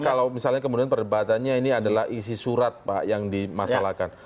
tapi kalau misalnya kemudian perdebatannya ini adalah isi surat pak yang dimasalahkan